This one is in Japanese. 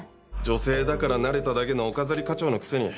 女性だからなれただけのお飾り課長のくせに。